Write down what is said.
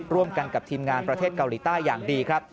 ร่วมกันกับทีมงานประเทศเกาหลีใต้อย่างดีครับ